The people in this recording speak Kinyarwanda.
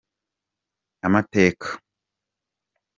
amateka.